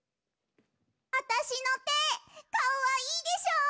あたしのてかわいいでしょ！